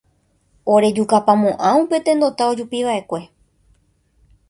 orejukapamo'ã upe tendota ojupiva'ekue